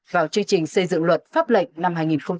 vào chương trình xây dựng luật pháp lệnh năm hai nghìn hai mươi bốn